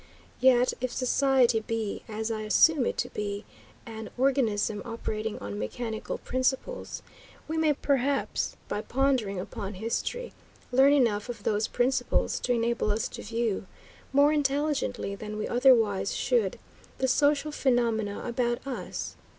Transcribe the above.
Yet if society be, as I assume it to be, an organism operating on mechanical principles, we may perhaps, by pondering upon history, learn enough of those principles to enable us to view, more intelligently than we otherwise should, the social phenomena about us.